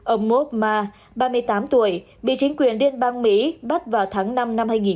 ông mu ma ba mươi tám tuổi bị chính quyền liên bang mỹ bắt vào tháng năm năm hai nghìn hai mươi